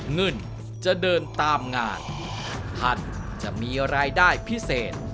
เงินจะเดินตามงานท่านจะมีรายได้พิเศษ